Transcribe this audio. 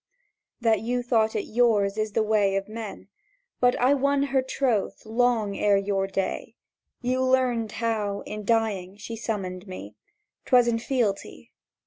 "That you thought it yours is the way of men; But I won her troth long ere your day: You learnt how, in dying, she summoned me? 'Twas in fealty.